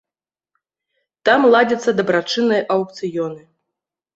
Там ладзяцца дабрачынныя аўкцыёны.